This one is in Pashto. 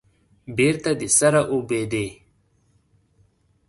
بیرته د سره اوبدي